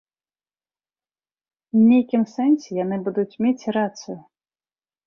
І нейкім сэнсе яны будуць мець рацыю.